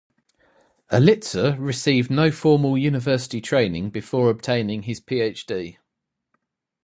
Elitzur received no formal university training before obtaining his PhD.